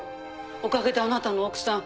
おかげであなたの奥さん